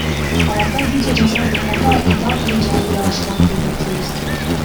Аларда видео жазма болгондо, эбак эле жарыялашмак, — дейт активист.